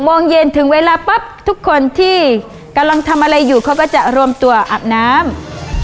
โมงเย็นถึงเวลาปั๊บทุกคนที่กำลังทำอะไรอยู่เขาก็จะรวมตัวอาบน้ำ